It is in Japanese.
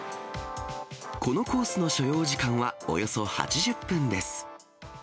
このコースの所要時間はおよそ８０分です。